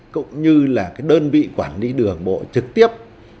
cũng như là cái đơn vị quản lý đường bộ trực tiếp